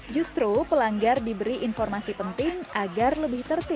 justru pelanggar diberi informasi penting agar lebih tertib